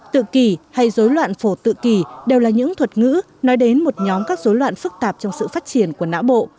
tự kỷ hay dối loạn phổ tự kỳ đều là những thuật ngữ nói đến một nhóm các dối loạn phức tạp trong sự phát triển của não bộ